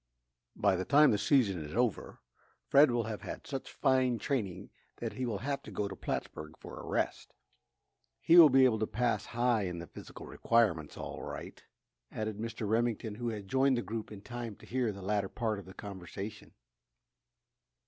"By the time the season is over, Fred will have had such fine training that he will have to go to Plattsburg for a rest. He will be able to pass high in the physical requirements, all right," added Mr. Remington, who had joined the group in time to hear the latter part of the conversation.